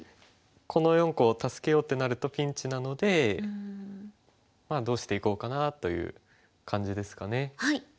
この４個を助けようってなるとピンチなのでまあどうしていこうかなという感じですかね。